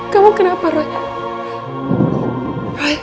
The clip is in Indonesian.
kamu kenapa roy